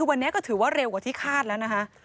วันนี้ก็ถือว่าเร็วกว่าที่คาดแล้วนะคะ